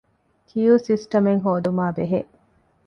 ކިޔޫ ސިސްޓަމެއް ހޯދުމާބެހޭ